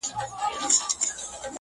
د کابل پر خوا رارهي سوو.